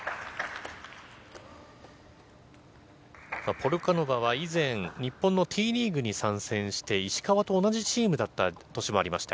ポルカノバは以前、日本のＴリーグに参戦して石川と同じチームだった年もありました。